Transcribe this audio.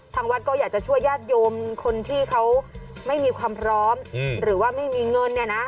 ทางวัดก็อยากจะช่วยญาติโยมคนที่เขาไม่มีความพร้อมหรือว่าไม่มีเงินเนี่ยนะ